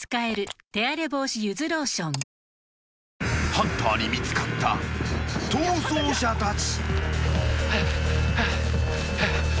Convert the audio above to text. ［ハンターに見つかった逃走者たち］